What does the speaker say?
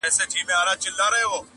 اشنا مي کوچ وکړ کوچي سو-